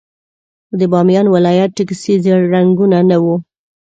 د بامیان ولايت ټکسي ژېړ رنګونه نه وو.